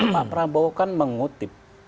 pak prabowo kan mengutip